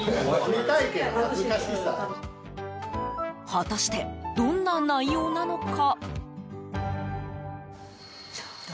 果たしてどんな内容なのか。